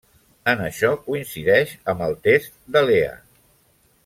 En això coincideix amb el test de Lea.